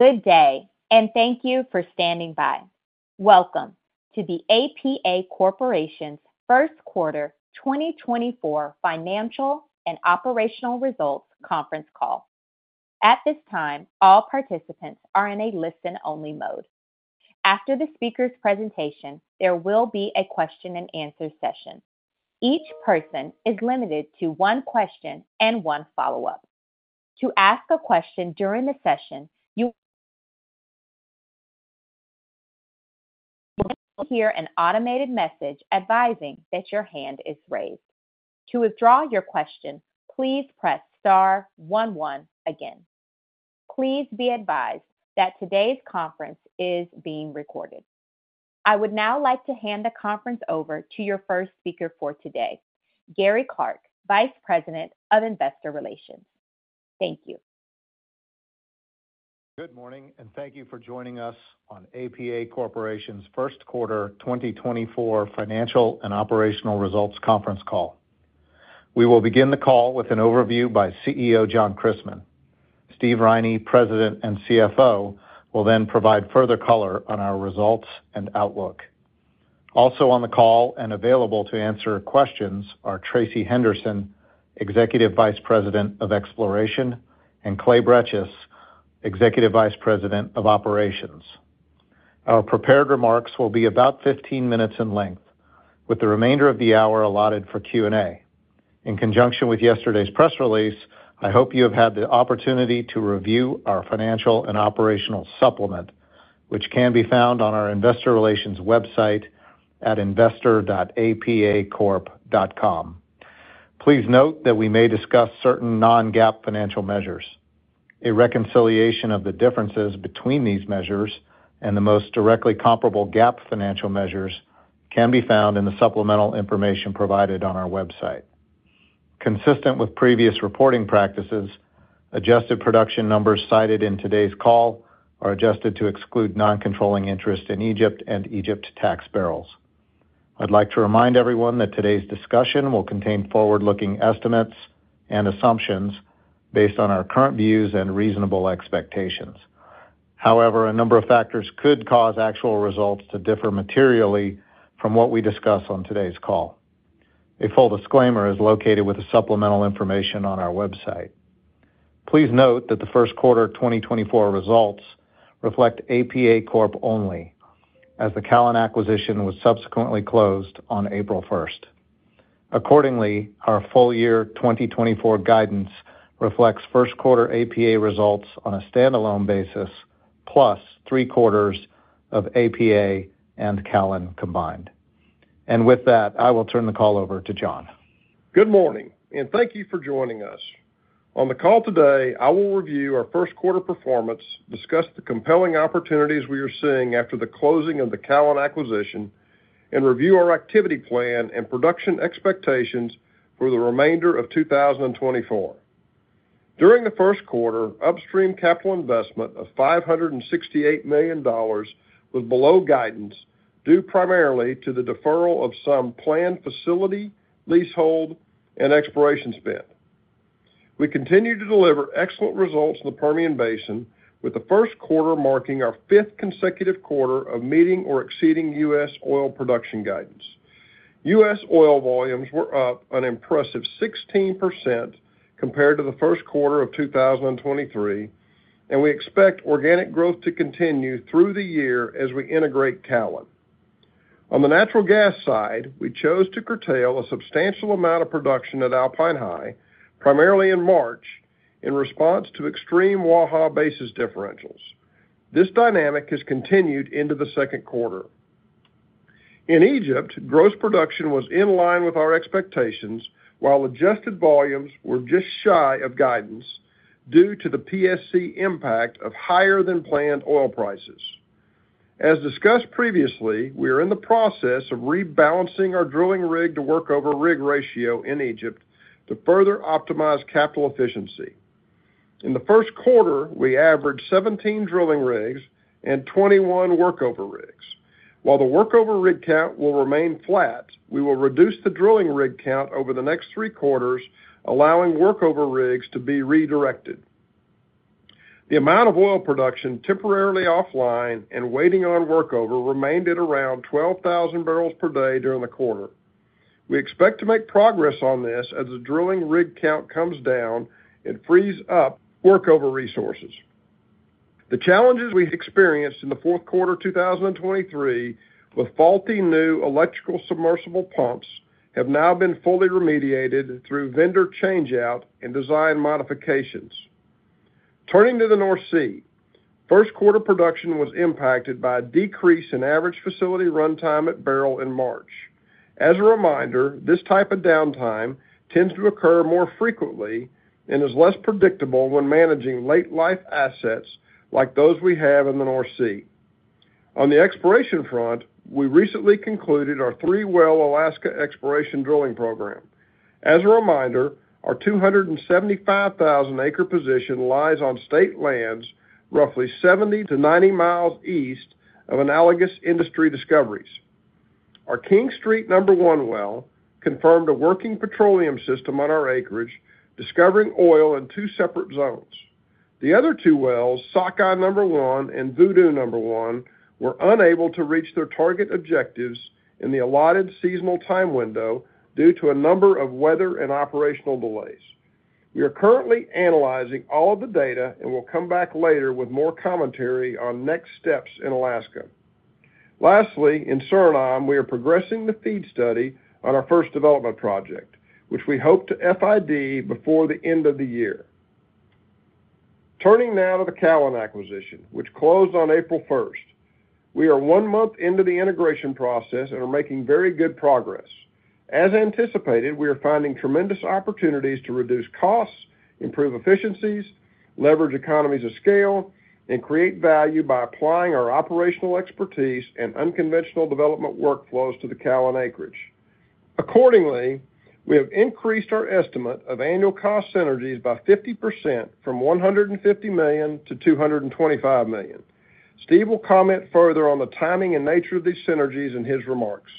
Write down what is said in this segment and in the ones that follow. Good day, and thank you for standing by. Welcome to the APA Corporation's first quarter 2024 financial and operational results conference call. At this time, all participants are in a listen-only mode. After the speaker's presentation, there will be a question-and-answer session. Each person is limited to one question and one follow-up. To ask a question during the session, you will hear an automated message advising that your hand is raised. To withdraw your question, please press star one one again. Please be advised that today's conference is being recorded. I would now like to hand the conference over to your first speaker for today, Gary Clark, Vice President of Investor Relations. Thank you. Good morning, and thank you for joining us on APA Corporation's first quarter 2024 financial and operational results conference call. We will begin the call with an overview by CEO, John Christmann. Steve Riney, President and CFO, will then provide further color on our results and outlook. Also on the call and available to answer questions are Tracey Henderson, Executive Vice President of Exploration, and Clay Bretches, Executive Vice President of Operations. Our prepared remarks will be about 15 minutes in length, with the remainder of the hour allotted for Q&A. In conjunction with yesterday's press release, I hope you have had the opportunity to review our financial and operational supplement, which can be found on our investor relations website at investor.apacorp.com. Please note that we may discuss certain non-GAAP financial measures. A reconciliation of the differences between these measures and the most directly comparable GAAP financial measures can be found in the supplemental information provided on our website. Consistent with previous reporting practices, adjusted production numbers cited in today's call are adjusted to exclude non-controlling interest in Egypt and Egypt tax barrels. I'd like to remind everyone that today's discussion will contain forward-looking estimates and assumptions based on our current views and reasonable expectations. However, a number of factors could cause actual results to differ materially from what we discuss on today's call. A full disclaimer is located with the supplemental information on our website. Please note that the first quarter 2024 results reflect APA Corp only, as the Callon acquisition was subsequently closed on April 1. Accordingly, our full year 2024 guidance reflects first quarter APA results on a standalone basis, plus three quarters of APA and Callon combined. And with that, I will turn the call over to John. Good morning, and thank you for joining us. On the call today, I will review our first quarter performance, discuss the compelling opportunities we are seeing after the closing of the Callon acquisition, and review our activity plan and production expectations for the remainder of 2024. During the first quarter, upstream capital investment of $568 million was below guidance, due primarily to the deferral of some planned facility, leasehold, and exploration spend. We continue to deliver excellent results in the Permian Basin, with the first quarter marking our fifth consecutive quarter of meeting or exceeding U.S. oil production guidance. U.S. oil volumes were up an impressive 16% compared to the first quarter of 2023, and we expect organic growth to continue through the year as we integrate Callon. On the natural gas side, we chose to curtail a substantial amount of production at Alpine High, primarily in March, in response to extreme Waha basis differentials. This dynamic has continued into the second quarter. In Egypt, gross production was in line with our expectations, while adjusted volumes were just shy of guidance due to the PSC impact of higher than planned oil prices. As discussed previously, we are in the process of rebalancing our drilling rig to work over rig ratio in Egypt to further optimize capital efficiency. In the first quarter, we averaged 17 drilling rigs and 21 workover rigs. While the workover rig count will remain flat, we will reduce the drilling rig count over the next three quarters, allowing workover rigs to be redirected. The amount of oil production temporarily offline and waiting on workover remained at around 12,000 barrels per day during the quarter. We expect to make progress on this as the drilling rig count comes down and frees up workover resources. The challenges we experienced in the fourth quarter of 2023 with faulty new electrical submersible pumps have now been fully remediated through vendor changeout and design modifications. Turning to the North Sea, first quarter production was impacted by a decrease in average facility runtime at Beryl in March. As a reminder, this type of downtime tends to occur more frequently and is less predictable when managing late-life assets like those we have in the North Sea. On the exploration front, we recently concluded our three-well Alaska exploration drilling program. As a reminder, our 275,000-acre position lies on state lands, roughly 70-90 miles east of analogous industry discoveries. Our King Street #1 well confirmed a working petroleum system on our acreage, discovering oil in two separate zones. The other two wells, Sockeye #1 and Voodoo #1, were unable to reach their target objectives in the allotted seasonal time window due to a number of weather and operational delays. We are currently analyzing all of the data, and we'll come back later with more commentary on next steps in Alaska. Lastly, in Suriname, we are progressing the FEED study on our first development project, which we hope to FID before the end of the year. Turning now to the Callon acquisition, which closed on April 1st. We are one month into the integration process and are making very good progress. As anticipated, we are finding tremendous opportunities to reduce costs, improve efficiencies, leverage economies of scale, and create value by applying our operational expertise and unconventional development workflows to the Callon acreage. Accordingly, we have increased our estimate of annual cost synergies by 50% from $150 million to $225 million. Steve will comment further on the timing and nature of these synergies in his remarks.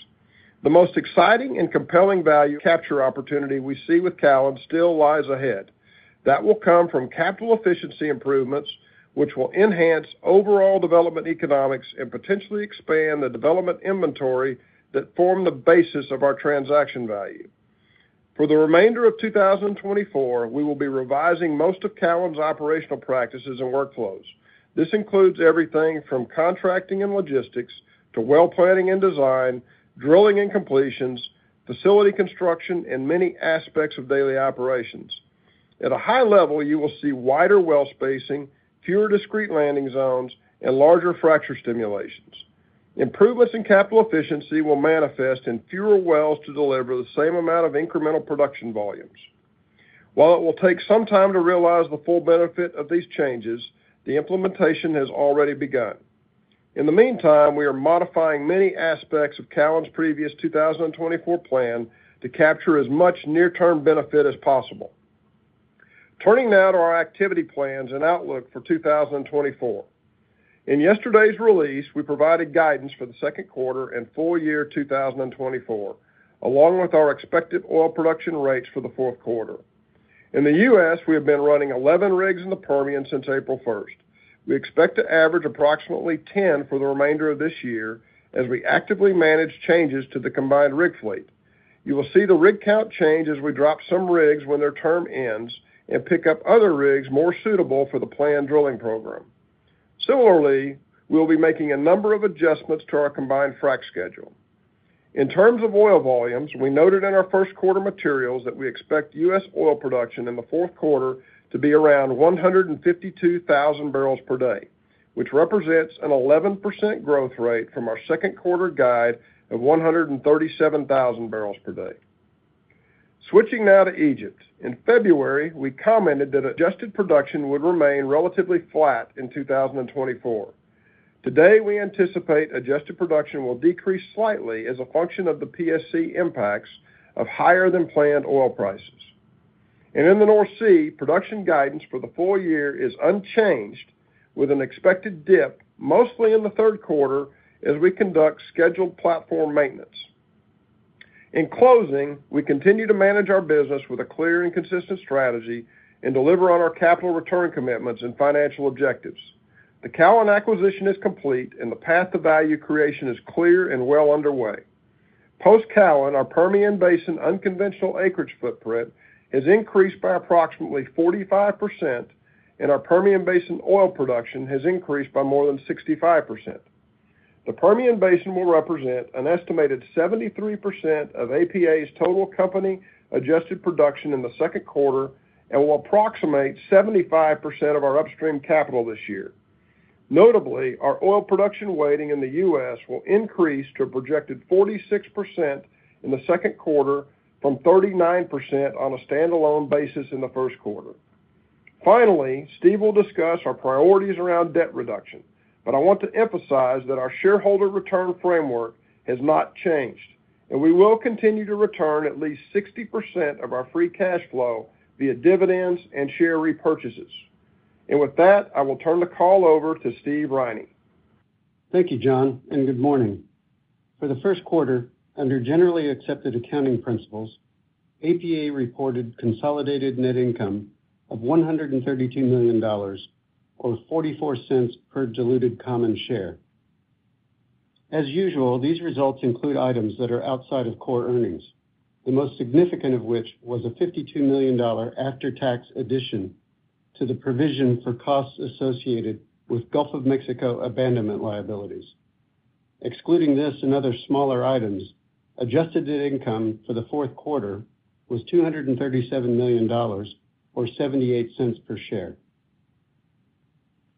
The most exciting and compelling value capture opportunity we see with Callon still lies ahead. That will come from capital efficiency improvements, which will enhance overall development economics and potentially expand the development inventory that form the basis of our transaction value. For the remainder of 2024, we will be revising most of Callon's operational practices and workflows. This includes everything from contracting and logistics to well planning and design, drilling and completions, facility construction, and many aspects of daily operations. At a high level, you will see wider well spacing, fewer discrete landing zones, and larger fracture stimulations. Improvements in capital efficiency will manifest in fewer wells to deliver the same amount of incremental production volumes. While it will take some time to realize the full benefit of these changes, the implementation has already begun. In the meantime, we are modifying many aspects of Callon's previous 2024 plan to capture as much near-term benefit as possible. Turning now to our activity plans and outlook for 2024. In yesterday's release, we provided guidance for the second quarter and full year 2024, along with our expected oil production rates for the fourth quarter. In the U.S., we have been running 11 rigs in the Permian since April 1st. We expect to average approximately 10 for the remainder of this year as we actively manage changes to the combined rig fleet. You will see the rig count change as we drop some rigs when their term ends and pick up other rigs more suitable for the planned drilling program. Similarly, we'll be making a number of adjustments to our combined frack schedule. In terms of oil volumes, we noted in our first quarter materials that we expect U.S. oil production in the fourth quarter to be around 152,000 barrels per day, which represents an 11% growth rate from our second quarter guide of 137,000 barrels per day. Switching now to Egypt. In February, we commented that adjusted production would remain relatively flat in 2024. Today, we anticipate adjusted production will decrease slightly as a function of the PSC impacts of higher than planned oil prices. In the North Sea, production guidance for the full year is unchanged, with an expected dip, mostly in the third quarter, as we conduct scheduled platform maintenance. In closing, we continue to manage our business with a clear and consistent strategy and deliver on our capital return commitments and financial objectives. The Callon acquisition is complete, and the path to value creation is clear and well underway. Post Callon, our Permian Basin unconventional acreage footprint has increased by approximately 45%, and our Permian Basin oil production has increased by more than 65%. The Permian Basin will represent an estimated 73% of APA's total company adjusted production in the second quarter and will approximate 75% of our upstream capital this year. Notably, our oil production weighting in the U.S. will increase to a projected 46% in the second quarter from 39% on a standalone basis in the first quarter. Finally, Steve will discuss our priorities around debt reduction, but I want to emphasize that our shareholder return framework has not changed, and we will continue to return at least 60% of our free cash flow via dividends and share repurchases. With that, I will turn the call over to Steve Riney. Thank you, John, and good morning. For the first quarter, under Generally Accepted Accounting Principles, APA reported consolidated net income of $132 million, or $0.44 per diluted common share. As usual, these results include items that are outside of core earnings, the most significant of which was a $52 million after-tax addition to the provision for costs associated with Gulf of Mexico abandonment liabilities. Excluding this and other smaller items, adjusted net income for the fourth quarter was $237 million, or $0.78 per share.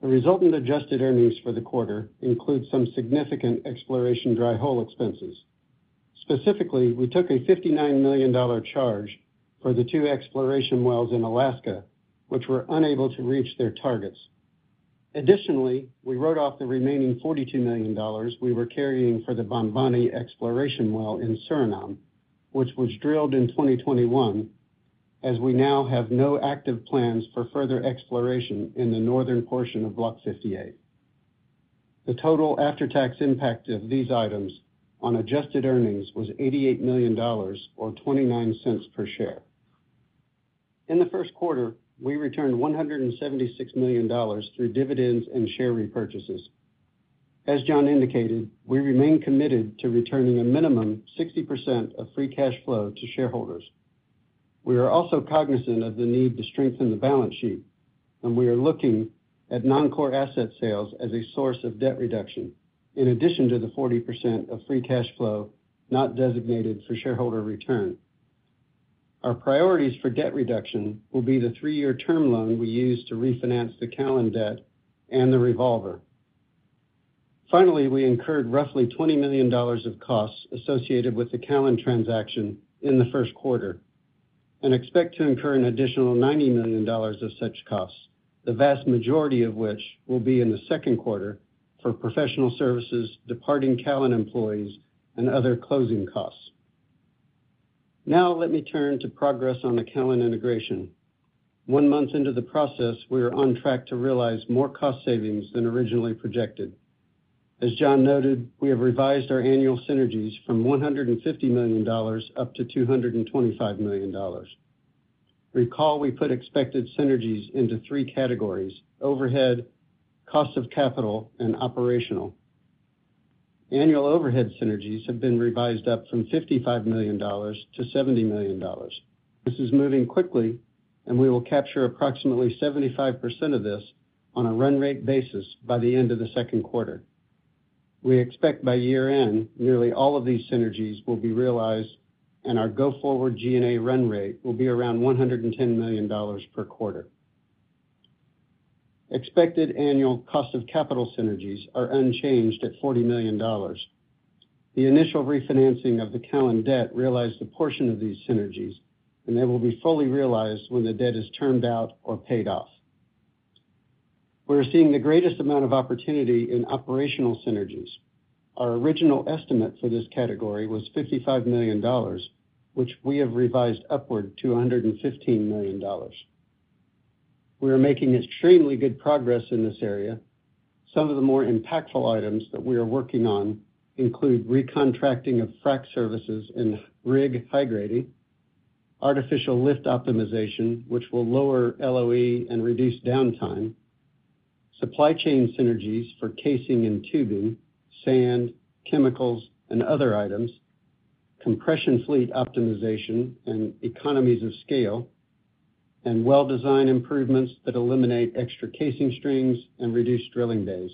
The resultant adjusted earnings for the quarter include some significant exploration dry hole expenses. Specifically, we took a $59 million charge for the two exploration wells in Alaska, which were unable to reach their targets. Additionally, we wrote off the remaining $42 million we were carrying for the Bonboni exploration well in Suriname, which was drilled in 2021, as we now have no active plans for further exploration in the northern portion of Block 58. The total after-tax impact of these items on adjusted earnings was $88 million or $0.29 cents per share. In the first quarter, we returned $176 million through dividends and share repurchases. As John indicated, we remain committed to returning a minimum 60% of free cash flow to shareholders. We are also cognizant of the need to strengthen the balance sheet, and we are looking at non-core asset sales as a source of debt reduction, in addition to the 40% of free cash flow not designated for shareholder return. Our priorities for debt reduction will be the three-year term loan we used to refinance the Callon debt and the revolver. Finally, we incurred roughly $20 million of costs associated with the Callon transaction in the first quarter and expect to incur an additional $90 million of such costs, the vast majority of which will be in the second quarter for professional services, departing Callon employees, and other closing costs. Now let me turn to progress on the Callon integration. One month into the process, we are on track to realize more cost savings than originally projected. As John noted, we have revised our annual synergies from $150 million up to $225 million. Recall, we put expected synergies into three categories: overhead, cost of capital, and operational. Annual overhead synergies have been revised up from $55 million to $70 million. This is moving quickly, and we will capture approximately 75% of this on a run rate basis by the end of the second quarter. We expect by year-end, nearly all of these synergies will be realized, and our go-forward G&A run rate will be around $110 million per quarter. Expected annual cost of capital synergies are unchanged at $40 million. The initial refinancing of the Callon debt realized a portion of these synergies, and they will be fully realized when the debt is turned out or paid off. We're seeing the greatest amount of opportunity in operational synergies. Our original estimate for this category was $55 million, which we have revised upward to $115 million. We are making extremely good progress in this area. Some of the more impactful items that we are working on include recontracting of frack services and rig high-grading, artificial lift optimization, which will lower LOE and reduce downtime, supply chain synergies for casing and tubing, sand, chemicals, and other items, compression fleet optimization and economies of scale, and well design improvements that eliminate extra casing strings and reduce drilling days.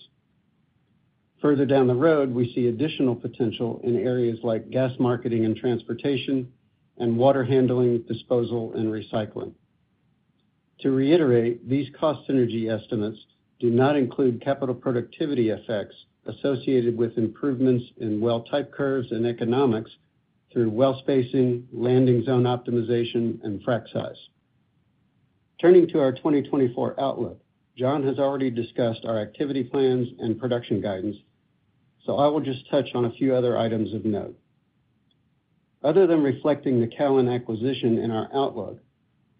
Further down the road, we see additional potential in areas like gas marketing and transportation and water handling, disposal, and recycling. To reiterate, these cost synergy estimates do not include capital productivity effects associated with improvements in well type curves and economics through well spacing, landing zone optimization, and frack size. Turning to our 2024 outlook, John has already discussed our activity plans and production guidance, so I will just touch on a few other items of note. Other than reflecting the Callon acquisition in our outlook,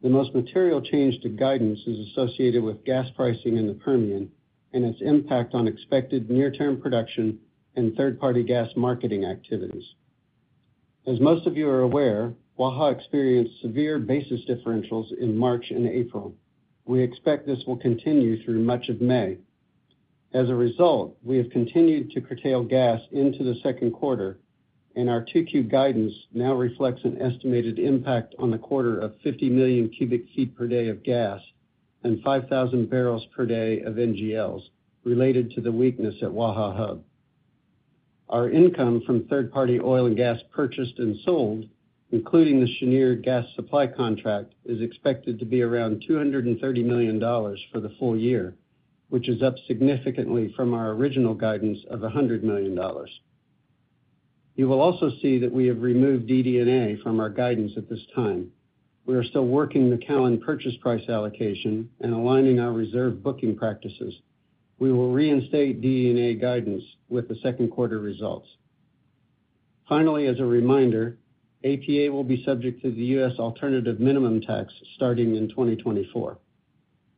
the most material change to guidance is associated with gas pricing in the Permian and its impact on expected near-term production and third-party gas marketing activities. As most of you are aware, Waha experienced severe basis differentials in March and April. We expect this will continue through much of May. As a result, we have continued to curtail gas into the second quarter, and our 2Q guidance now reflects an estimated impact on the quarter of 50 million cubic feet per day of gas and 5,000 barrels per day of NGLs related to the weakness at Waha Hub. Our income from third-party oil and gas purchased and sold, including the Cheniere gas supply contract, is expected to be around $230 million for the full year, which is up significantly from our original guidance of $100 million. You will also see that we have removed DD&A from our guidance at this time. We are still working the Callon purchase price allocation and aligning our reserve booking practices. We will reinstate DD&A guidance with the second quarter results. Finally, as a reminder, APA will be subject to the U.S. alternative minimum tax starting in 2024.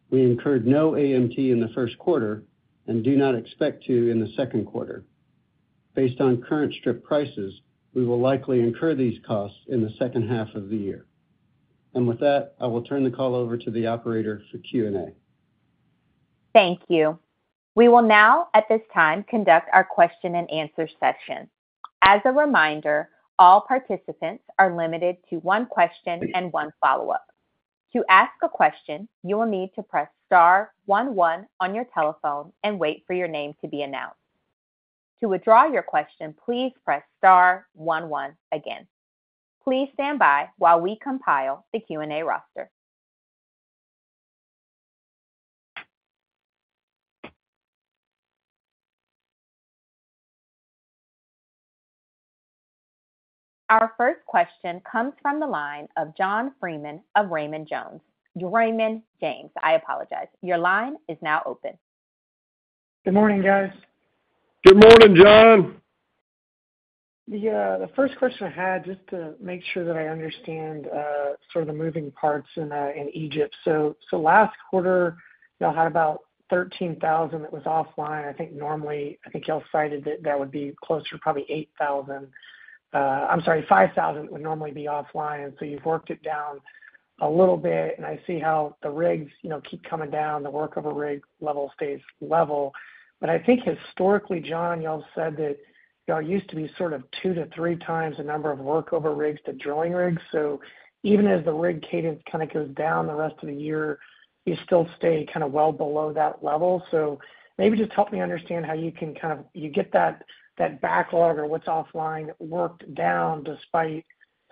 We incurred no AMT in the first quarter and do not expect to in the second quarter. Based on current strip prices, we will likely incur these costs in the second half of the year. With that, I will turn the call over to the operator for Q&A. Thank you. We will now, at this time, conduct our question-and-answer session. As a reminder, all participants are limited to one question and one follow-up. To ask a question, you will need to press star one, one on your telephone and wait for your name to be announced. To withdraw your question, please press star one, one again. Please stand by while we compile the Q&A roster. Our first question comes from the line of John Freeman of Raymond James. Raymond James, I apologize. Your line is now open. Good morning, guys. Good morning, John! Yeah, the first question I had, just to make sure that I understand, sort of the moving parts in, in Egypt. So, so last quarter, y'all had about 13,000 that was offline. I think normally, I think y'all cited that that would be closer to probably 8,000, I'm sorry, 5,000 would normally be offline. So you've worked it down a little bit, and I see how the rigs, you know, keep coming down, the workover rig level stays level. But I think historically, John, y'all said that y'all used to be sort of 2-3x the number of workover rigs to drilling rigs. So even as the rig cadence kind of goes down the rest of the year, you still stay kind of well below that level. Maybe just help me understand how you can kind of, you get that backlog or what's offline worked down, despite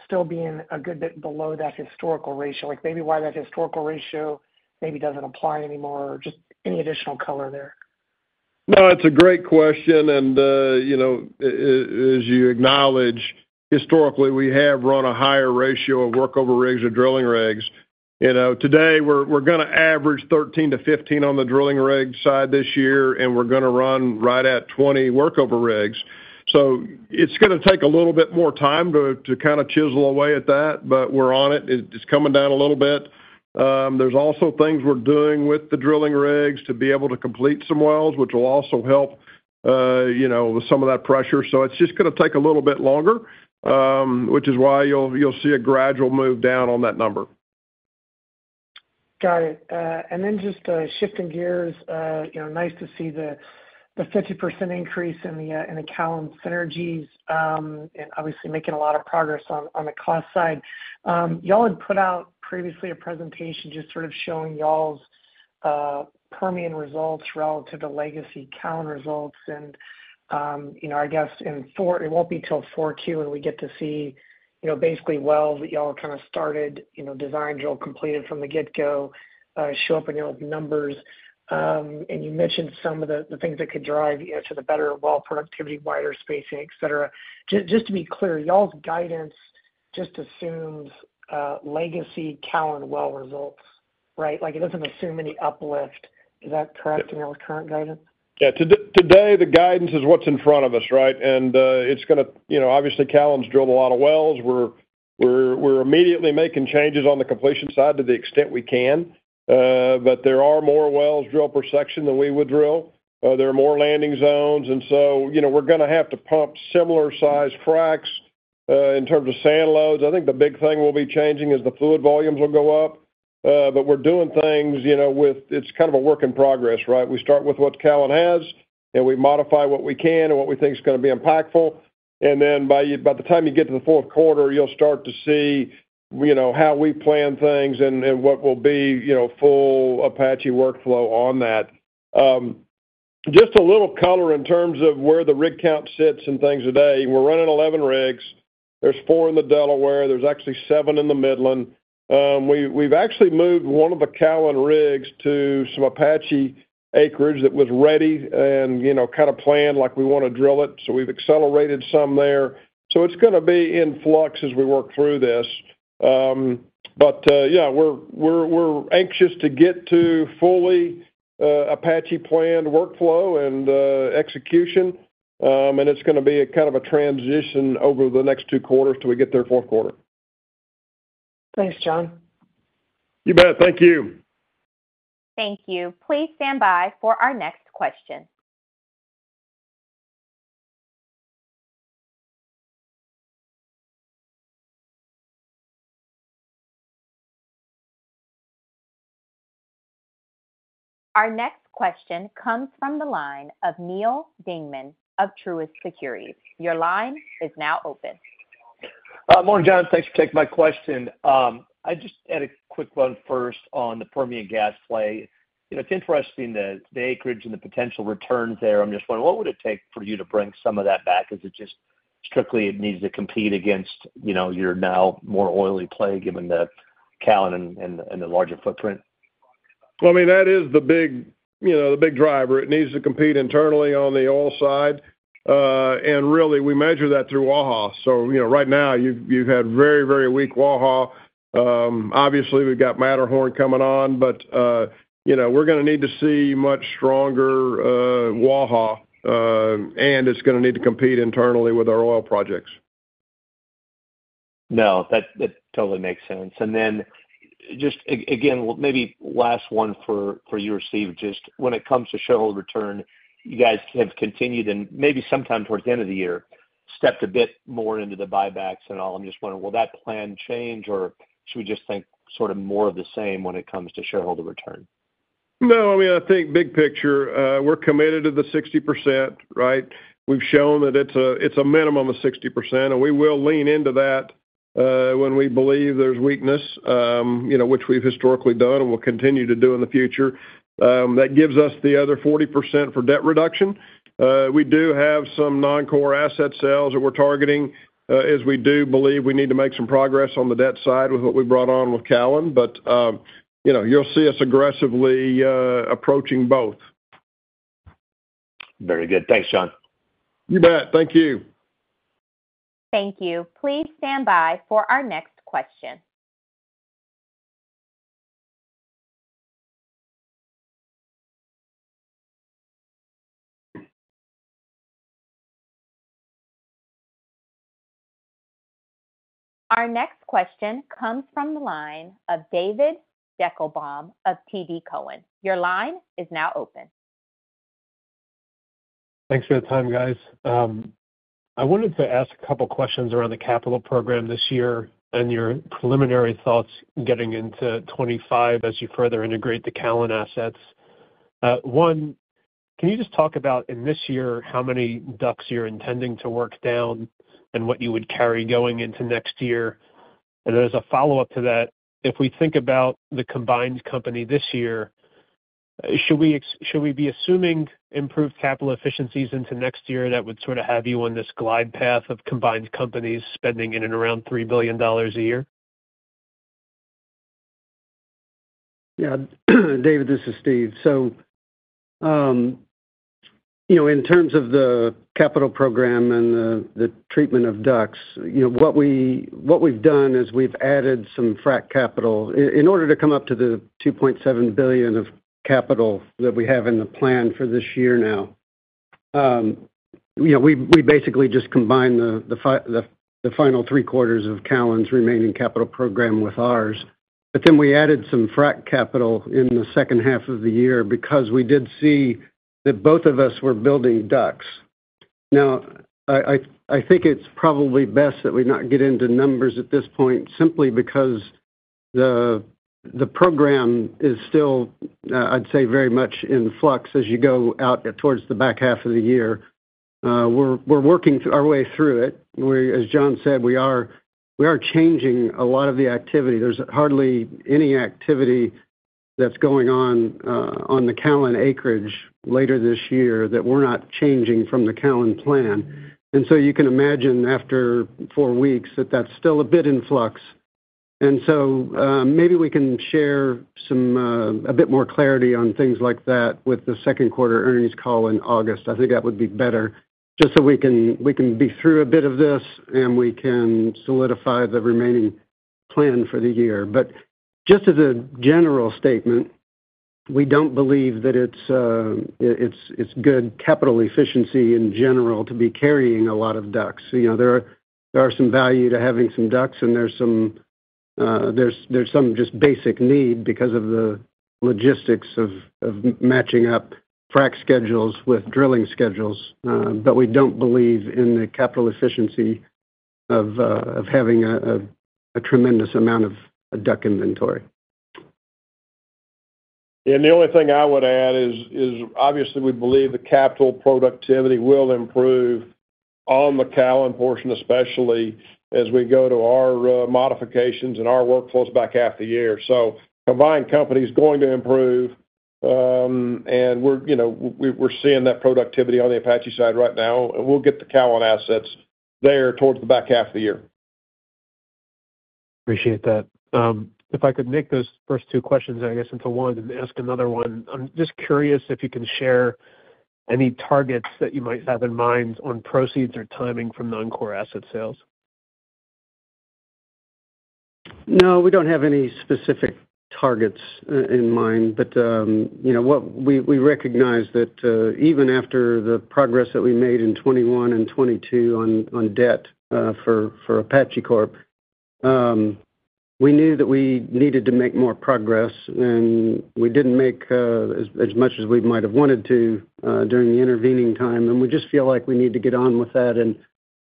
still being a good bit below that historical ratio. Like, maybe why that historical ratio maybe doesn't apply anymore, or just any additional color there. No, it's a great question, and, you know, as you acknowledge, historically, we have run a higher ratio of workover rigs or drilling rigs. You know, today, we're gonna average 13-15 on the drilling rig side this year, and we're gonna run right at 20 workover rigs. So it's gonna take a little bit more time to kind of chisel away at that, but we're on it. It's coming down a little bit. There's also things we're doing with the drilling rigs to be able to complete some wells, which will also help, you know, with some of that pressure. So it's just gonna take a little bit longer, which is why you'll see a gradual move down on that number. Got it. And then just shifting gears, you know, nice to see the 50% increase in the Callon synergies, and obviously making a lot of progress on the cost side. Y'all had put out previously a presentation just sort of showing y'all's Permian results relative to legacy Callon results. And you know, I guess in four-- it won't be till 4Q, and we get to see, you know, basically wells that y'all kind of started, you know, design, drill, completed from the get-go, show up in your numbers. And you mentioned some of the things that could drive you to the better well productivity, wider spacing, et cetera. Just to be clear, y'all's guidance just assumes legacy Callon well results, right? Like, it doesn't assume any uplift. Is that correct, in our current guidance? Yeah. Today, the guidance is what's in front of us, right? And, it's gonna... You know, obviously, Callon's drilled a lot of wells. We're immediately making changes on the completion side to the extent we can, but there are more wells drilled per section than we would drill. There are more landing zones, and so, you know, we're gonna have to pump similar-sized fracs, in terms of sand loads. I think the big thing we'll be changing is the fluid volumes will go up, but we're doing things, you know, with... It's kind of a work in progress, right? We start with what Callon has, and we modify what we can and what we think is gonna be impactful. And then, by the time you get to the fourth quarter, you'll start to see, you know, how we plan things and what will be, you know, full Apache workflow on that. Just a little color in terms of where the rig count sits and things today. We're running 11 rigs. There's four in the Delaware. There's actually seven in the Midland. We've actually moved one of the Callon rigs to some Apache acreage that was ready and, you know, kind of planned, like we want to drill it, so we've accelerated some there. So it's gonna be in flux as we work through this. But yeah, we're anxious to get to fully Apache planned workflow and execution. And it's gonna be a kind of a transition over the next two quarters till we get there, fourth quarter. Thanks, John. You bet. Thank you. Thank you. Please stand by for our next question. Our next question comes from the line of Neal Dingmann of Truist Securities. Your line is now open. Morning, John. Thanks for taking my question. I just had a quick one first on the Permian Gas play. You know, it's interesting, the acreage and the potential returns there. I'm just wondering, what would it take for you to bring some of that back? Is it just strictly it needs to compete against, you know, your now more oily play, given the Callon and the larger footprint? Well, I mean, that is the big, you know, the big driver. It needs to compete internally on the oil side. And really, we measure that through Waha. So, you know, right now, you've had very, very weak Waha. Obviously, we've got Matterhorn coming on, but, you know, we're gonna need to see much stronger Waha, and it's gonna need to compete internally with our oil projects. No, that, that totally makes sense. And then just again, well, maybe last one for, for you, Steve. Just when it comes to shareholder return, you guys have continued and maybe sometime towards the end of the year, stepped a bit more into the buybacks and all. I'm just wondering, will that plan change, or should we just think sort of more of the same when it comes to shareholder return? No, I mean, I think big picture, we're committed to the 60%, right? We've shown that it's a minimum of 60%, and we will lean into that when we believe there's weakness, you know, which we've historically done and will continue to do in the future. That gives us the other 40% for debt reduction. We do have some non-core asset sales that we're targeting, as we do believe we need to make some progress on the debt side with what we brought on with Callon. But, you know, you'll see us aggressively approaching both. Very good. Thanks, John. You bet. Thank you. Thank you. Please stand by for our next question. Our next question comes from the line of David Deckelbaum of TD Cowen. Your line is now open. Thanks for the time, guys. I wanted to ask a couple questions around the capital program this year and your preliminary thoughts getting into 2025 as you further integrate the Callon assets. One, can you just talk about, in this year, how many DUCs you're intending to work down and what you would carry going into next year? And then as a follow-up to that, if we think about the combined company this year, should we be assuming improved capital efficiencies into next year that would sort of have you on this glide path of combined companies spending in and around $3 billion a year? Yeah. David, this is Steve. So, you know, in terms of the capital program and the treatment of DUCs, you know, what we've done is we've added some frack capital. In order to come up to the $2.7 billion of capital that we have in the plan for this year now, you know, we basically just combined the final three quarters of Callon's remaining capital program with ours. But then we added some frack capital in the second half of the year because we did see that both of us were building DUCs. Now, I think it's probably best that we not get into numbers at this point, simply because the program is still, I'd say, very much in flux as you go out towards the back half of the year. We're working our way through it. We, as John said, are changing a lot of the activity. There's hardly any activity that's going on on the Callon acreage later this year that we're not changing from the Callon plan. And so you can imagine after four weeks, that that's still a bit in flux. And so, maybe we can share some a bit more clarity on things like that with the second quarter earnings call in August. I think that would be better, just so we can be through a bit of this, and we can solidify the remaining plan for the year. But just as a general statement, we don't believe that it's good capital efficiency in general to be carrying a lot of DUCs. You know, there are some value to having some DUCs, and there's some just basic need because of the logistics of matching up frack schedules with drilling schedules, but we don't believe in the capital efficiency of having a tremendous amount of DUC inventory. The only thing I would add is, obviously, we believe the capital productivity will improve on the Callon portion, especially as we go to our modifications and our workforce back half the year. So the combined company is going to improve, and we're, you know, we're seeing that productivity on the Apache side right now, and we'll get the Callon assets there towards the back half of the year. Appreciate that. If I could make those first two questions, I guess, into one and ask another one. I'm just curious if you can share any targets that you might have in mind on proceeds or timing from the non-core asset sales? No, we don't have any specific targets in mind. But you know what? We recognize that even after the progress that we made in 2021 and 2022 on debt for Apache Corp, we knew that we needed to make more progress, and we didn't make as much as we might have wanted to during the intervening time. We just feel like we need to get on with that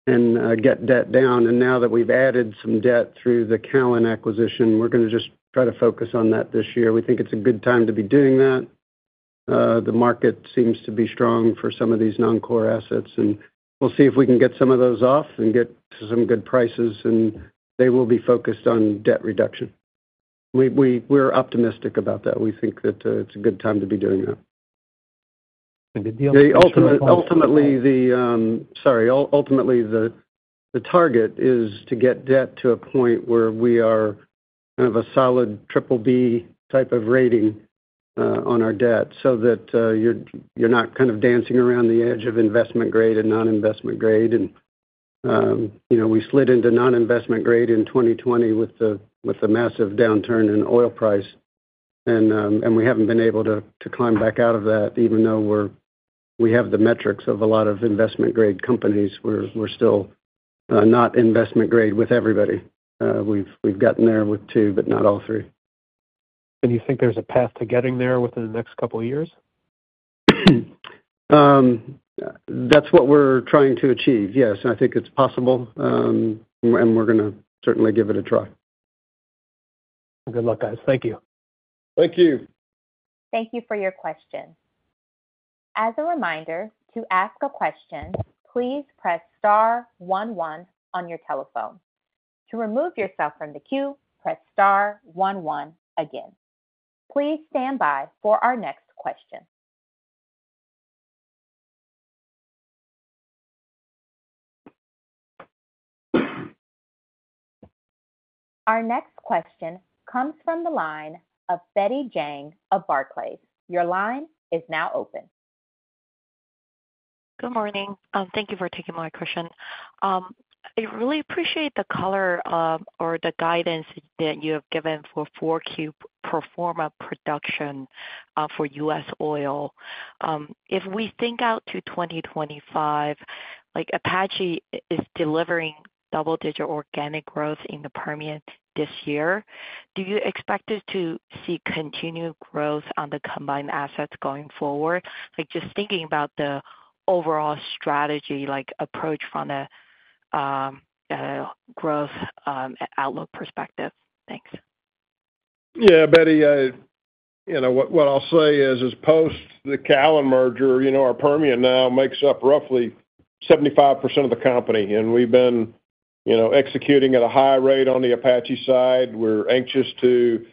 and get debt down. And now that we've added some debt through the Callon acquisition, we're gonna just try to focus on that this year. We think it's a good time to be doing that. The market seems to be strong for some of these non-core assets, and we'll see if we can get some of those off and get some good prices, and they will be focused on debt reduction. We're optimistic about that. We think that it's a good time to be doing that. And did the- Ultimately, the target is to get debt to a point where we are kind of a solid BBB type of rating on our debt, so that you're not kind of dancing around the edge of investment grade and non-investment grade. And you know, we slid into non-investment grade in 2020 with the massive downturn in oil price, and we haven't been able to climb back out of that, even though we have the metrics of a lot of investment-grade companies. We're still not investment grade with everybody. We've gotten there with two, but not all three. You think there's a path to getting there within the next couple of years? That's what we're trying to achieve. Yes, and I think it's possible, and we're gonna certainly give it a try. Good luck, guys. Thank you. Thank you. Thank you for your question. As a reminder, to ask a question, please press star one, one on your telephone. To remove yourself from the queue, press star one, one again. Please stand by for our next question. Our next question comes from the line of Betty Jiang of Barclays. Your line is now open. Good morning. Thank you for taking my question. I really appreciate the color of, or the guidance that you have given for 4Q pro forma production, for U.S. oil. If we think out to 2025, like Apache is delivering double-digit organic growth in the Permian this year, do you expect us to see continued growth on the combined assets going forward? Like, just thinking about the overall strategy, like, approach from a growth outlook perspective. Thanks. Yeah, Betty, you know, what I'll say is, post the Callon merger, you know, our Permian now makes up roughly 75% of the company, and we've been, you know, executing at a high rate on the Apache side. We're anxious to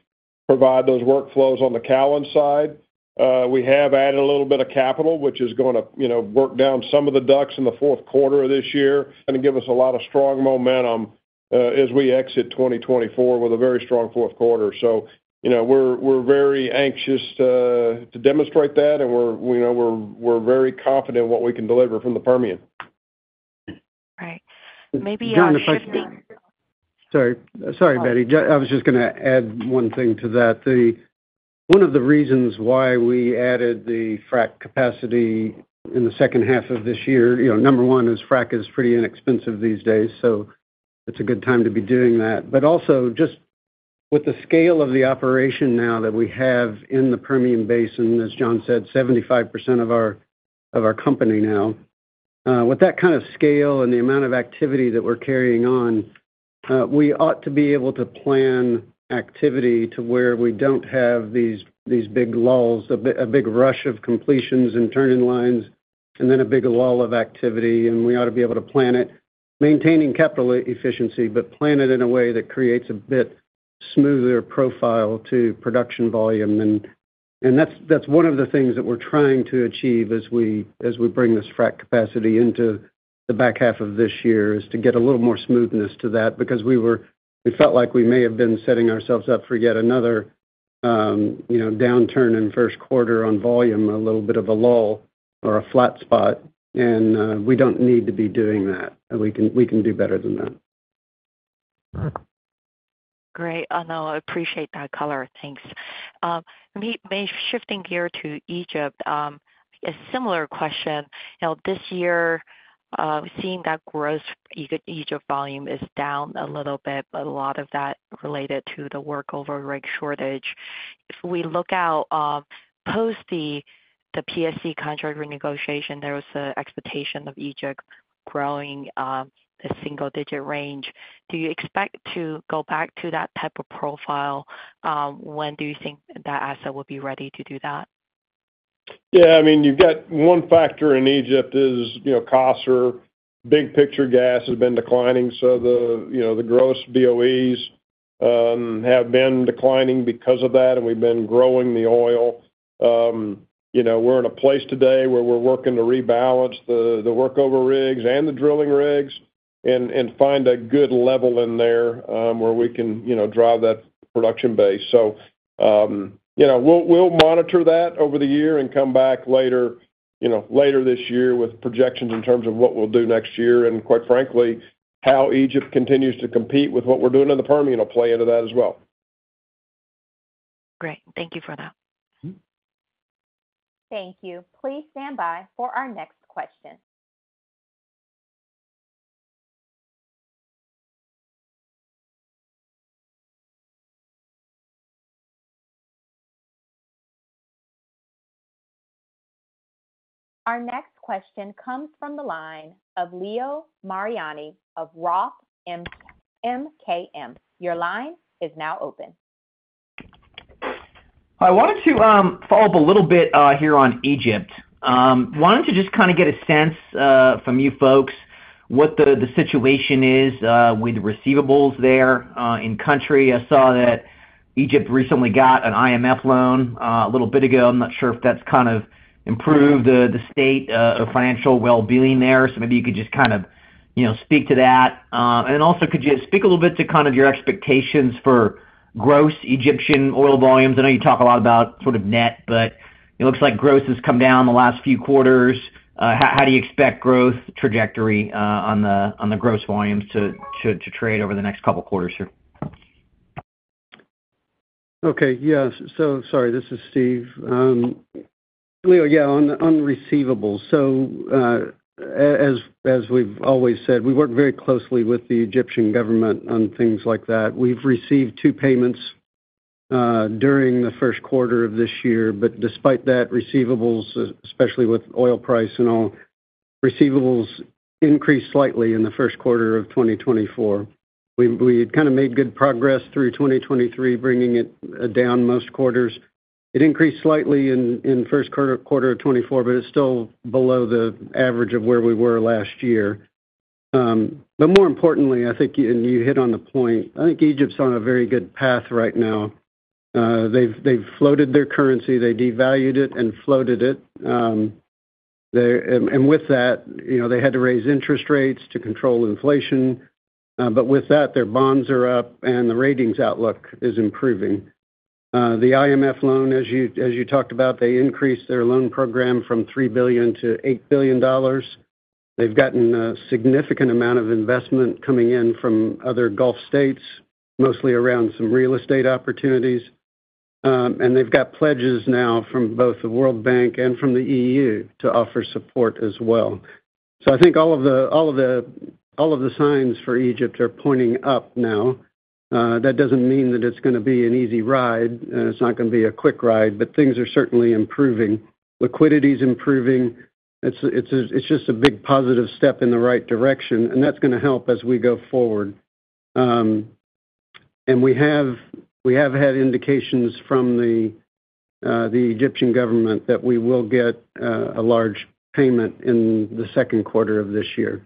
provide those workflows on the Callon side. We have added a little bit of capital, which is gonna, you know, work down some of the DUCs in the fourth quarter of this year and give us a lot of strong momentum, as we exit 2024 with a very strong fourth quarter. So, you know, we're very anxious to demonstrate that, and we're, you know, very confident in what we can deliver from the Permian. Right. Maybe, shifting- Sorry. Sorry, Betty. I was just gonna add one thing to that. One of the reasons why we added the frack capacity in the second half of this year, you know, number one, is frack is pretty inexpensive these days, so it's a good time to be doing that. But also, just with the scale of the operation now that we have in the Permian Basin, as John said, 75% of our, of our company now. With that kind of scale and the amount of activity that we're carrying on, we ought to be able to plan activity to where we don't have these big lulls, a big rush of completions and turning lines, and then a big lull of activity, and we ought to be able to plan it, maintaining capital efficiency, but plan it in a way that creates a bit smoother profile to production volume. And that's one of the things that we're trying to achieve as we bring this frack capacity into the back half of this year, is to get a little more smoothness to that, because we were, we felt like we may have been setting ourselves up for yet another, you know, downturn in first quarter on volume, a little bit of a lull or a flat spot, and we don't need to be doing that. We can do better than that. Great. No, I appreciate that color. Thanks. Maybe shifting gear to Egypt, a similar question. Now, this year, we've seen that gross Egypt volume is down a little bit, but a lot of that related to the workover rig shortage. If we look out, post the PSC contract renegotiation, there was an expectation of Egypt growing, a single digit range. Do you expect to go back to that type of profile? When do you think that asset will be ready to do that? Yeah, I mean, you've got one factor in Egypt is, you know, costs are big picture, gas has been declining, so the, you know, the gross BOEs have been declining because of that, and we've been growing the oil. You know, we're in a place today where we're working to rebalance the workover rigs and the drilling rigs and find a good level in there, where we can, you know, drive that production base. So, you know, we'll monitor that over the year and come back later, you know, later this year with projections in terms of what we'll do next year. And quite frankly, how Egypt continues to compete with what we're doing in the Permian will play into that as well. Great. Thank you for that. Mm-hmm. Thank you. Please stand by for our next question. Our next question comes from the line of Leo Mariani of Roth MKM. Your line is now open. I wanted to follow up a little bit here on Egypt. Wanted to just kinda get a sense from you folks what the situation is with the receivables there in country. I saw that Egypt recently got an IMF loan a little bit ago. I'm not sure if that's kind of improved the state of financial well-being there. So maybe you could just kind of, you know, speak to that. And then also, could you speak a little bit to kind of your expectations for gross Egyptian oil volumes? I know you talk a lot about sort of net, but it looks like gross has come down the last few quarters. How do you expect growth trajectory on the gross volumes to trade over the next couple quarters here? Okay, yes. So sorry, this is Steve. Leo, yeah, on receivables. So, as we've always said, we work very closely with the Egyptian government on things like that. We've received two payments during the first quarter of this year, but despite that, receivables, especially with oil price and all, receivables increased slightly in the first quarter of 2024. We had kinda made good progress through 2023, bringing it down most quarters. It increased slightly in the first quarter of 2024, but it's still below the average of where we were last year. But more importantly, I think, and you hit on the point, I think Egypt's on a very good path right now. They've floated their currency, they devalued it and floated it. And with that, you know, they had to raise interest rates to control inflation, but with that, their bonds are up and the ratings outlook is improving. The IMF loan, as you talked about, they increased their loan program from $3 billion to $8 billion. They've gotten a significant amount of investment coming in from other Gulf states, mostly around some real estate opportunities. And they've got pledges now from both the World Bank and from the EU to offer support as well. So I think all of the signs for Egypt are pointing up now. That doesn't mean that it's gonna be an easy ride, and it's not gonna be a quick ride, but things are certainly improving. Liquidity is improving. It's just a big positive step in the right direction, and that's gonna help as we go forward. And we have had indications from the Egyptian government that we will get a large payment in the second quarter of this year.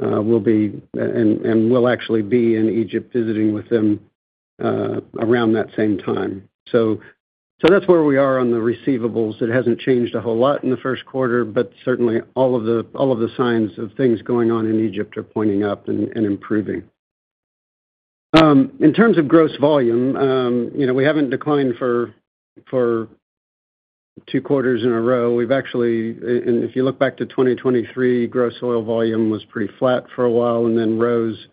So we'll be, and we'll actually be in Egypt visiting with them around that same time. So that's where we are on the receivables. It hasn't changed a whole lot in the first quarter, but certainly, all of the signs of things going on in Egypt are pointing up and improving. In terms of gross volume, you know, we haven't declined for two quarters in a row. We've actually, and if you look back to 2023, gross oil volume was pretty flat for a while and then rose.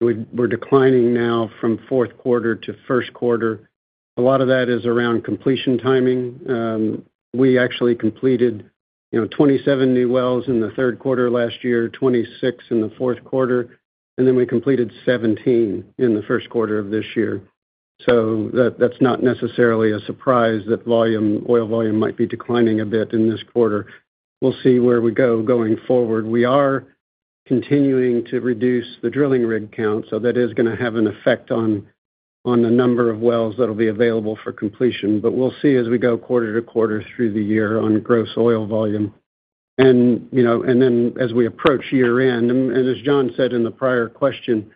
We're declining now from fourth quarter to first quarter. A lot of that is around completion timing. We actually completed, you know, 27 new wells in the third quarter last year, 26 in the fourth quarter, and then we completed 17 in the first quarter of this year. So that, that's not necessarily a surprise that volume, oil volume, might be declining a bit in this quarter. We'll see where we go going forward. We are continuing to reduce the drilling rig count, so that is gonna have an effect on, on the number of wells that'll be available for completion. But we'll see as we go quarter to quarter through the year on gross oil volume. You know, and then as we approach year-end, and as John said in the prior question,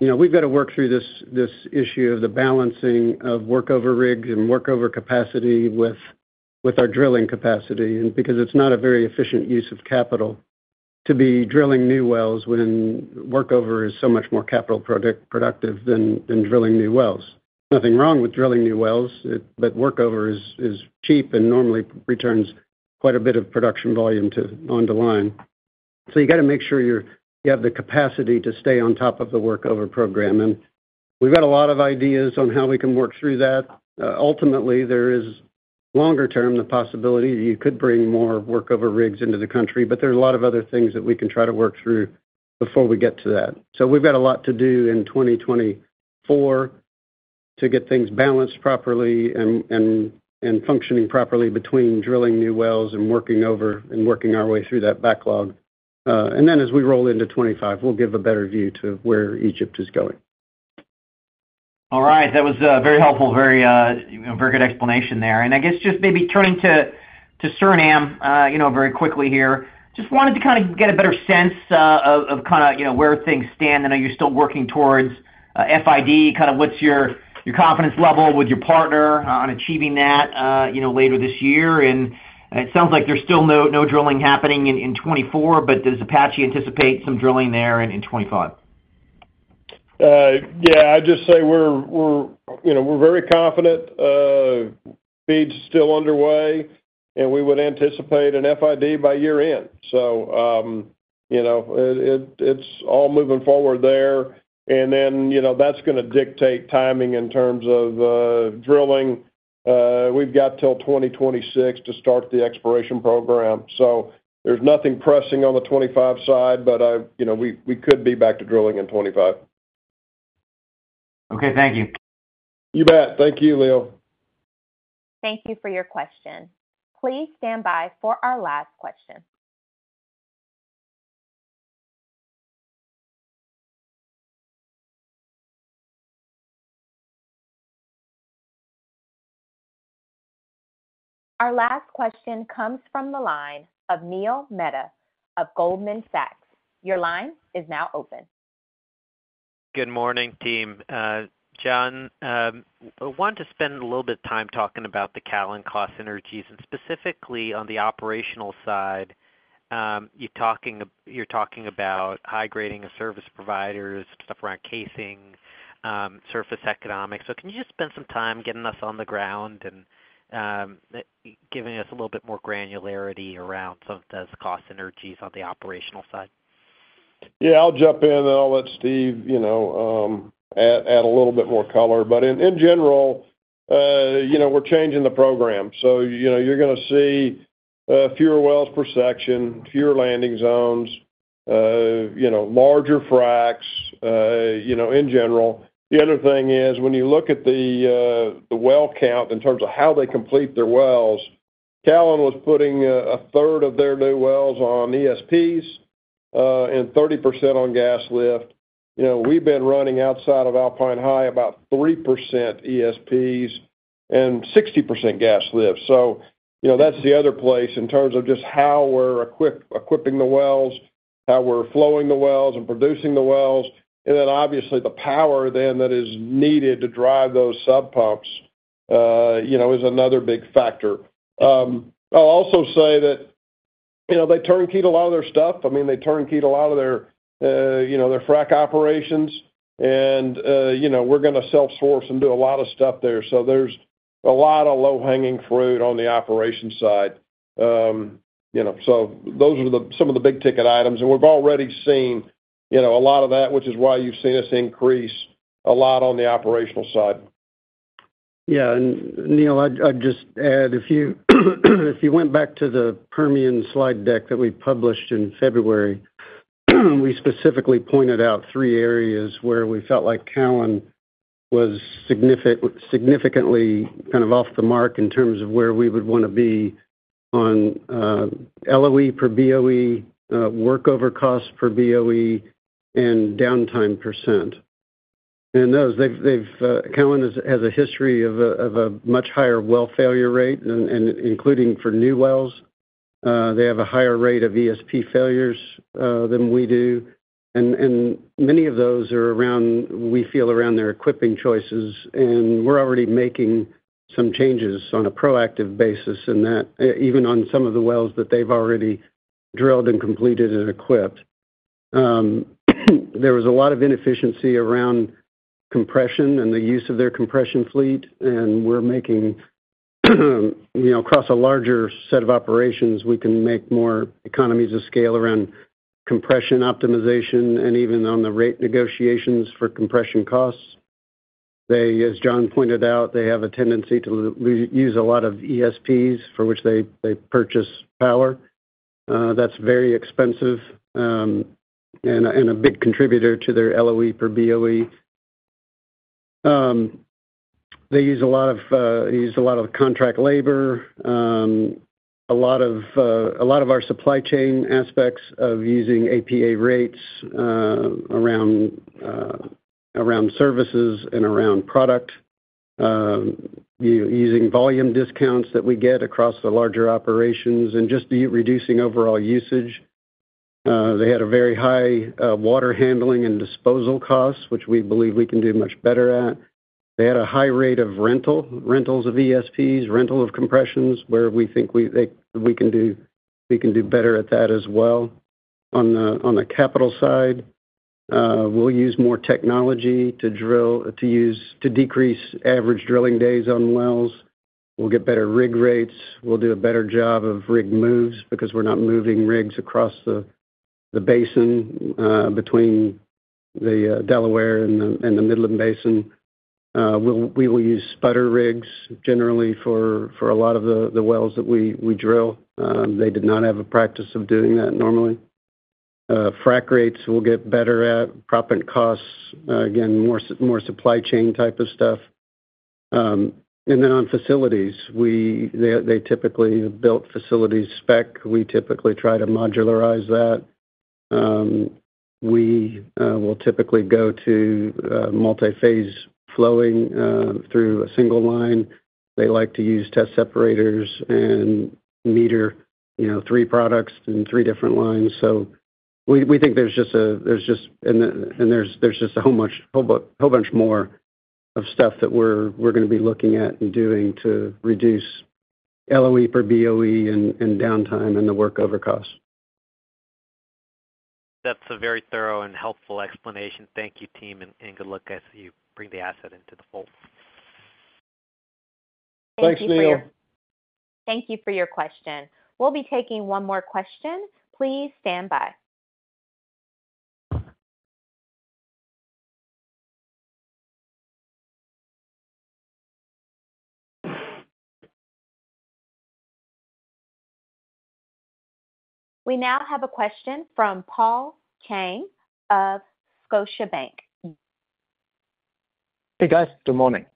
you know, we've got to work through this issue of the balancing of workover rigs and workover capacity with our drilling capacity, and because it's not a very efficient use of capital to be drilling new wells when workover is so much more capital productive than drilling new wells. Nothing wrong with drilling new wells, but workover is cheap and normally returns quite a bit of production volume onto line. So you got to make sure you have the capacity to stay on top of the workover program, and we've got a lot of ideas on how we can work through that. Ultimately, there is, longer term, the possibility you could bring more workover rigs into the country, but there are a lot of other things that we can try to work through before we get to that. So we've got a lot to do in 2024 to get things balanced properly and functioning properly between drilling new wells and working over, and working our way through that backlog. And then as we roll into 2025, we'll give a better view to where Egypt is going. All right. That was very helpful, very, you know, very good explanation there. And I guess just maybe turning to Suriname, you know, very quickly here. Just wanted to kind of get a better sense of kind, you know, where things stand. I know you're still working towards FID. Kind of what's your confidence level with your partner on achieving that, you know, later this year? And it sounds like there's still no drilling happening in 2024, but does Apache anticipate some drilling there in 2025? Yeah, I'd just say we're, we're, you know, we're very confident. Feed's still underway, and we would anticipate an FID by year-end. So, you know, it, it, it's all moving forward there. And then, you know, that's gonna dictate timing in terms of drilling. We've got till 2026 to start the exploration program, so there's nothing pressing on the 2025 side, but I— you know, we, we could be back to drilling in 2025. Okay, thank you. You bet. Thank you, Leo. Thank you for your question. Please stand by for our last question. Our last question comes from the line of Neil Mehta of Goldman Sachs. Your line is now open. Good morning, team. John, I want to spend a little bit of time talking about the Callon cost synergies, and specifically on the operational side. You're talking about high-grading a service providers, stuff around casing, surface economics. So can you just spend some time getting us on the ground and giving us a little bit more granularity around some of those cost synergies on the operational side? Yeah, I'll jump in, and I'll let Steve, you know, add a little bit more color. But in general, you know, we're changing the program. So, you know, you're gonna see fewer wells per section, fewer landing zones, you know, larger fracs, you know, in general. The other thing is, when you look at the well count in terms of how they complete their wells, Callon was putting a third of their new wells on ESPs, and 30% on gas lift. You know, we've been running outside of Alpine High, about 3% ESPs and 60% gas lift. So, you know, that's the other place in terms of just how we're equipping the wells, how we're flowing the wells and producing the wells, and then obviously, the power then that is needed to drive those sub pumps, you know, is another big factor. I'll also say that. You know, they turnkeyed a lot of their stuff. I mean, they turnkeyed a lot of their, you know, their frack operations. And, you know, we're gonna self-source and do a lot of stuff there. So there's a lot of low-hanging fruit on the operations side. You know, so those are the, some of the big-ticket items, and we've already seen, you know, a lot of that, which is why you've seen us increase a lot on the operational side. Yeah, and Neil, I'd just add, if you went back to the Permian slide deck that we published in February, we specifically pointed out three areas where we felt like Callon was significantly kind of off the mark in terms of where we would wanna be on LOE per BOE, workover costs per BOE, and downtime %. And those, Callon has a history of a much higher well failure rate, and including for new wells. They have a higher rate of ESP failures than we do. And many of those are around, we feel, around their equipping choices, and we're already making some changes on a proactive basis in that, even on some of the wells that they've already drilled and completed and equipped. There was a lot of inefficiency around compression and the use of their compression fleet, and we're making, you know, across a larger set of operations, we can make more economies of scale around compression optimization and even on the rate negotiations for compression costs. They, as John pointed out, have a tendency to use a lot of ESPs, for which they purchase power. That's very expensive, and a big contributor to their LOE per BOE. They use a lot of contract labor. A lot of our supply chain aspects of using APA rates around services and around product. Using volume discounts that we get across the larger operations and just the reducing overall usage. They had a very high water handling and disposal costs, which we believe we can do much better at. They had a high rate of rental, rentals of ESPs, rental of compressions, where we think we, they, we can do, we can do better at that as well. On the capital side, we'll use more technology to decrease average drilling days on wells. We'll get better rig rates. We'll do a better job of rig moves because we're not moving rigs across the basin between the Delaware and the Midland Basin. We'll use super-spec rigs generally for a lot of the wells that we drill. They did not have a practice of doing that normally. Frack rates, we'll get better at. Proppant costs, again, more supply chain type of stuff. And then on facilities, we, they, they typically built facilities spec. We typically try to modularize that. We will typically go to multi-phase flowing through a single line. They like to use test separators and meter, you know, three products in three different lines. So we think there's just a, there's just... And there's just a whole bunch more of stuff that we're gonna be looking at and doing to reduce LOE per BOE and downtime and the workover costs. That's a very thorough and helpful explanation. Thank you, team, and good luck as you bring the asset into the fold. Thanks, Neil. Thank you for your question. We'll be taking one more question. Please stand by. We now have a question from Paul Chang of Scotiabank. Hey, guys. Good morning.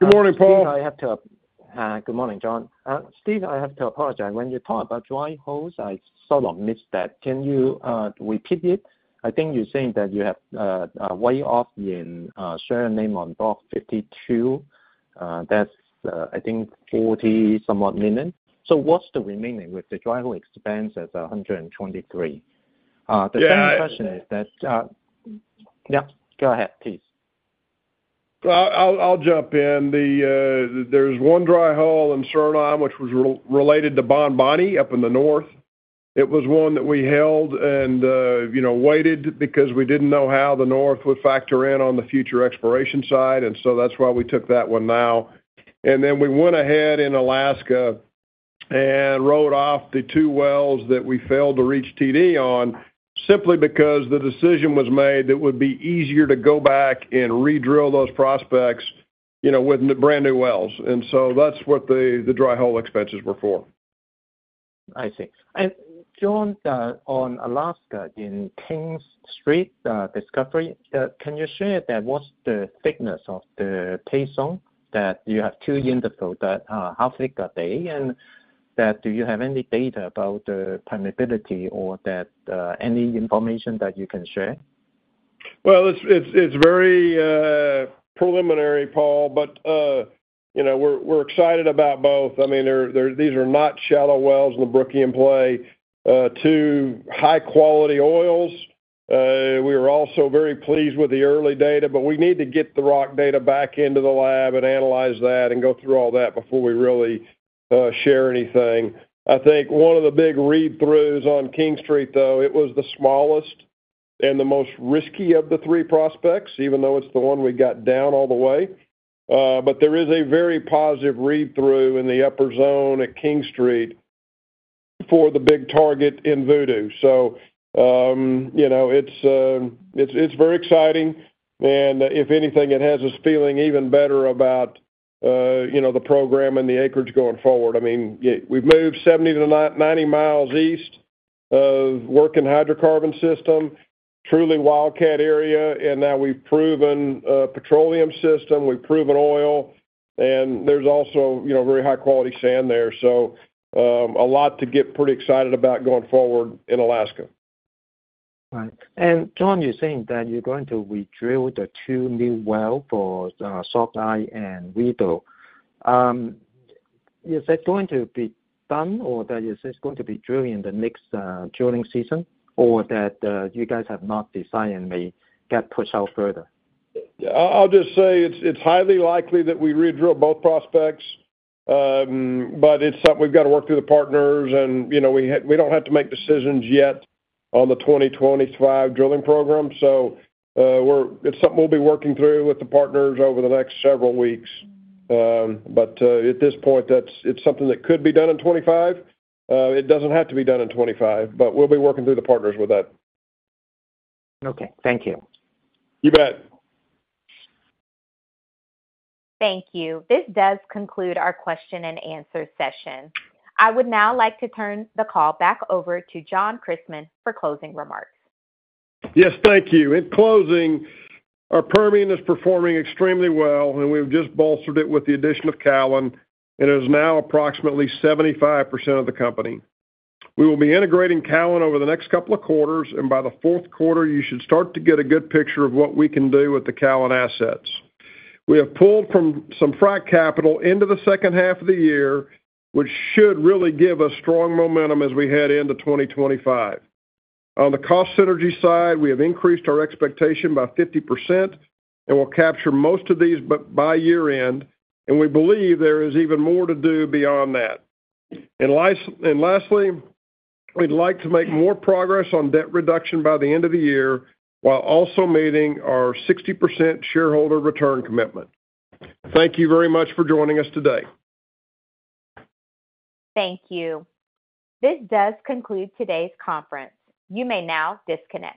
Good morning, Paul. Good morning, John. Steve, I have to apologize. When you talked about dry holes, I sort of missed that. Can you repeat it? I think you're saying that you have a write-off in Suriname on Block 52. That's, I think $40-somewhat million. So what's the remaining with the dry hole expense at $123? The second- Yeah... question is that, yeah, go ahead, please. I'll jump in. The, there's one dry hole in Suriname, which was related to Bonboni up in the north. It was one that we held and, you know, waited because we didn't know how the north would factor in on the future exploration side, and so that's why we took that one now. And then we went ahead in Alaska and wrote off the two wells that we failed to reach TD on, simply because the decision was made that it would be easier to go back and redrill those prospects, you know, with brand-new wells. And so that's what the dry hole expenses were for. I see. And John, on Alaska, in King Street discovery, can you share that, what's the thickness of the pay zone? That you have two intervals that, how thick are they, and that, do you have any data about the permeability or that, any information that you can share? Well, it's very preliminary, Paul, but you know, we're excited about both. I mean, these are not shallow wells in the Brookian Play, two high-quality oils. We were also very pleased with the early data, but we need to get the rock data back into the lab and analyze that and go through all that before we really share anything. I think one of the big read-throughs on King Street, though, it was the smallest and the most risky of the three prospects, even though it's the one we got down all the way. But there is a very positive read-through in the upper zone at King Street for the big target in Voodoo. So, you know, it's very exciting, and if anything, it has us feeling even better about, you know, the program and the acreage going forward. I mean, we've moved 70-90 miles east of working hydrocarbon system, truly wildcat area, and now we've proven a petroleum system, we've proven oil, and there's also, you know, very high-quality sand there. So, a lot to get pretty excited about going forward in Alaska. Right. And John, you're saying that you're going to redrill the two new well for Sockeye and Voodoo. Is that going to be done, or that is this going to be drilled in the next drilling season, or that you guys have not decided and may get pushed out further? I'll just say it's highly likely that we redrill both prospects. But it's something we've got to work through the partners and, you know, we don't have to make decisions yet on the 2025 drilling program. It's something we'll be working through with the partners over the next several weeks. But at this point, that's something that could be done in 25. It doesn't have to be done in 25, but we'll be working through the partners with that. Okay, thank you. You bet. Thank you. This does conclude our question-and-answer session. I would now like to turn the call back over to John Christmann for closing remarks. Yes, thank you. In closing, our Permian is performing extremely well, and we've just bolstered it with the addition of Callon, and it is now approximately 75% of the company. We will be integrating Callon over the next couple of quarters, and by the fourth quarter, you should start to get a good picture of what we can do with the Callon assets. We have pulled from some frack capital into the second half of the year, which should really give us strong momentum as we head into 2025. On the cost synergy side, we have increased our expectation by 50%, and we'll capture most of these by year-end, and we believe there is even more to do beyond that. Lastly, we'd like to make more progress on debt reduction by the end of the year, while also meeting our 60% shareholder return commitment. Thank you very much for joining us today. Thank you. This does conclude today's conference. You may now disconnect.